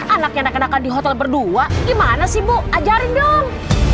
anaknya anak anakan di hotel berdua gimana sih bu ajarin dong